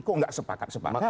kok nggak sepakat sepakat